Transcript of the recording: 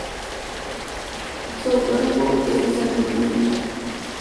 Su antónimo es misantropía.